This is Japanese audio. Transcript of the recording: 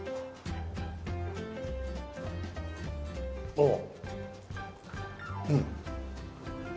ああうん。